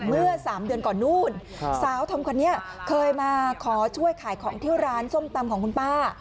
เมื่อ๓เดือนก่อนนู่นสาวธอมคนนี้เคยมาขอช่วยขายของที่ร้านส้มตำของคุณป้า